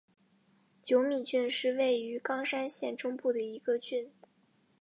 久米郡是位于冈山县中部的一郡。